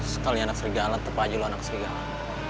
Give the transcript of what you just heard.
sekalian anak serigala tetep aja lo anak serigala